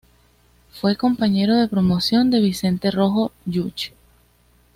Fue compañero de promoción de Vicente Rojo Lluch.